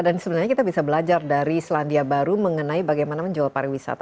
sebenarnya kita bisa belajar dari selandia baru mengenai bagaimana menjual pariwisata